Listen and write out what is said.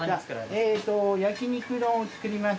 えと焼肉丼を作ります。